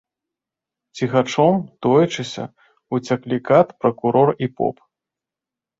Ціхачом, тоячыся, уцяклі кат, пракурор і поп.